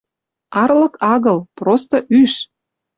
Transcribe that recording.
Арлык агыл, просто — ӱш!